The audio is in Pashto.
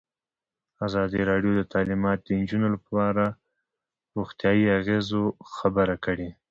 ازادي راډیو د تعلیمات د نجونو لپاره په اړه د روغتیایي اغېزو خبره کړې.